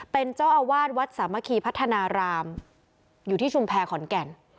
เป็นเจ้าอาวาสวัดสามัคคีพัฒนารามอยู่ที่ชุมแพรขอนแก่น